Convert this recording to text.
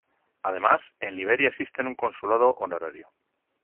Además, en Liberia existen un consulado honorario.